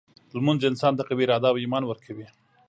لمونځ انسان ته قوي اراده او ایمان ورکوي.